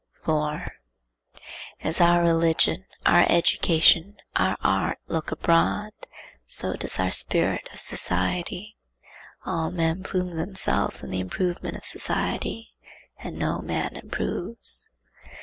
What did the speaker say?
4. As our Religion, our Education, our Art look abroad, so does our spirit of society. All men plume themselves on the improvement of society, and no man improves.